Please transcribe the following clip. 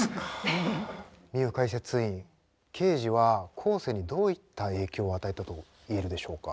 ミユかいせついんケージは後世にどういった影響を与えたと言えるでしょうか？